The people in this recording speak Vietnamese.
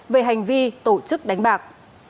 về hành vi tổ chức đánh bạc